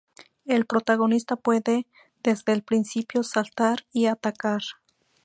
El protagonista puede desde el principio saltar y atacar.